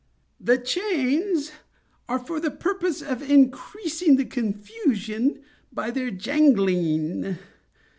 "The chains are for the purpose of increasing the confusion by their jangling.